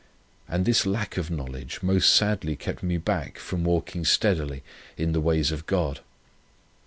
And this lack of knowledge most sadly kept me back from walking steadily in the ways of God.